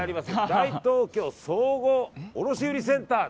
大東京綜合卸売センター。